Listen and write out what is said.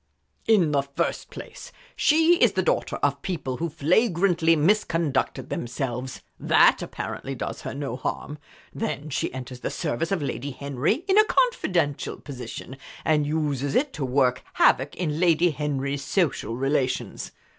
"In the first place, she is the daughter of people who flagrantly misconducted themselves that apparently does her no harm. Then she enters the service of Lady Henry in a confidential position, and uses it to work havoc in Lady Henry's social relations.